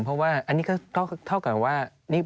เพราะว่าอันนี้ก็เท่ากับว่า